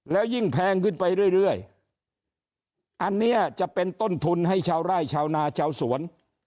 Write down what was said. แล้วยิ่งแพงขึ้นไปเรื่อยอันนี้จะเป็นต้นทุนให้ชาวไร่ชาวนาชาวสวน